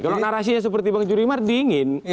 kalau narasinya seperti bang judi mart dingin